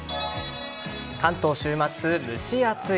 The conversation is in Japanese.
関東週末、蒸し暑い。